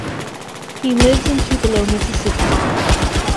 He lives in Tupelo, Mississippi.